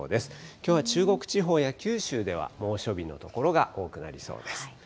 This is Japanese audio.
きょうは中国地方や九州では猛暑日の所が多くなりそうです。